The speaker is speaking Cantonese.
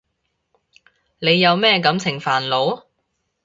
你有咩感情煩惱？